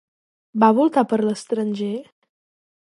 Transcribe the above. Va voltar per l'estranger?